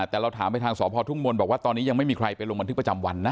แต่เราถามไปทางสพทุ่งมนต์บอกว่าตอนนี้ยังไม่มีใครไปลงบันทึกประจำวันนะ